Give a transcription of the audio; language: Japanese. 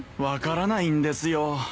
分からないんですよ。